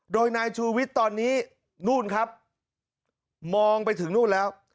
โดยนายชูวิทย์ตอนนี้นู่นครับมองไปถึงนู่นแล้ว